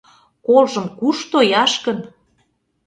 Колжым куш тояш гын?!